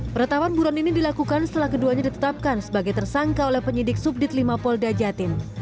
penetapan buruan ini dilakukan setelah keduanya ditetapkan sebagai tersangka oleh penyidik subdit lima polda jatim